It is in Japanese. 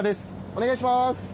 お願いします。